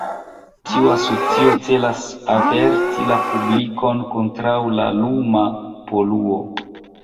Tiu asocio celas averti la publikon kontraŭ la luma poluo.